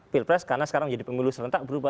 pilpres karena sekarang jadi pemilu serentak berubah